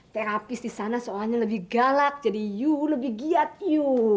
terapis di sana soalnya lebih galak jadi yu lebih giat you